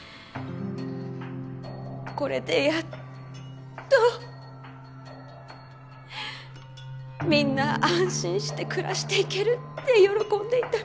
これでやっとみんな安心して暮らしていけるって喜んでいたのに。